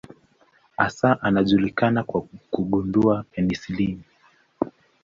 Hasa anajulikana kwa kugundua penisilini.